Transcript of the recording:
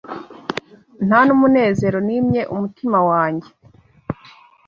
nta n’umunezero nimye umutima wanjye